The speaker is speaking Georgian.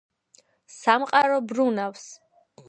სამყარო ბრუნავს